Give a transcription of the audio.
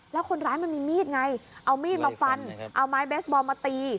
แล้วคนร้ายมันมีมีดไงเอามีดมาฟันเอาไม้เบสบอลมาตี